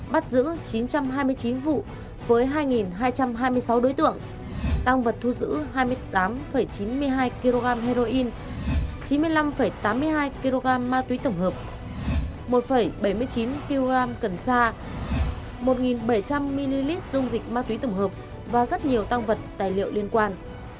bắt giữ chín trăm hai mươi chín vụ với hai hai trăm hai mươi sáu đối tượng tăng vật thu giữ hai mươi tám chín mươi hai kg heroin chín mươi năm tám mươi hai kg ma túy tổng hợp một bảy mươi chín kg cần sa một bảy trăm linh ml dung dịch ma túy tổng hợp và rất nhiều tăng vật tài liệu liên quan